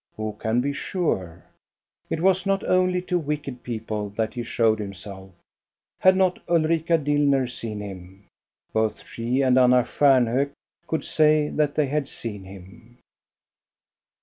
Who can be sure.? It was not only to wicked people that he showed himself. Had not UlrikaDillner seen him.? Both she and Anna Stjamhok could say that they had seen him.